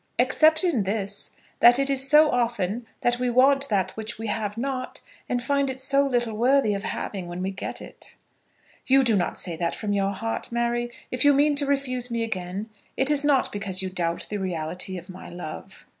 "Except in this, that it is so often that we want that which we have not, and find it so little worthy of having when we get it." "You do not say that from your heart, Mary. If you mean to refuse me again, it is not because you doubt the reality of my love."